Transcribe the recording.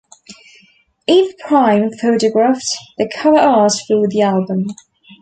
Eve Prime photographed the cover art for the album.